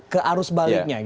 ke arus baliknya gitu